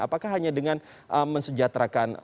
apakah hanya dengan mensejahterakan